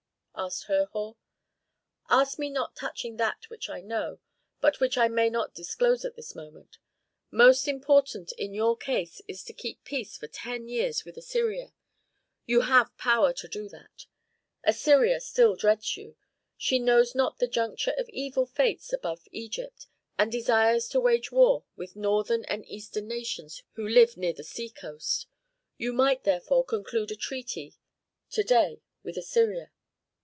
asked Herhor. "Ask me not touching that which I know, but which I may not disclose at this moment. Most important in your case is to keep peace for ten years with Assyria. Ye have power to do that. Assyria still dreads you; she knows not the juncture of evil fates above Egypt, and desires to wage war with northern and eastern nations who live near the seacoast. Ye might, therefore, conclude a treaty to day with Assyria."